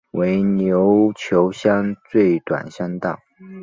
为琉球乡最短乡道。